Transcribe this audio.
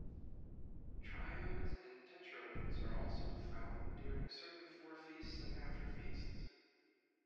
Triodes and tetraodes are also found during certain Forefeasts and Afterfeasts.